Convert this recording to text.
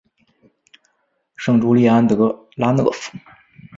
圣朱利安德拉讷夫。